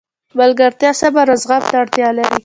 ملګرتیا صبر او زغم ته اړتیا لري.